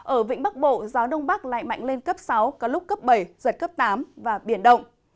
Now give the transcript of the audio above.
ở vĩnh bắc bộ gió đông bắc lại mạnh lên cấp sáu có lúc cấp bảy giật cấp tám và biển động